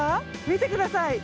見てください。